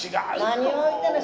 何を言ってるねん。